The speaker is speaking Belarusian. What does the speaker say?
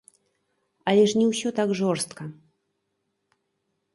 Але ж не ўсё так жорстка.